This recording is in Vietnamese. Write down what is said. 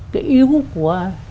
cái yếu của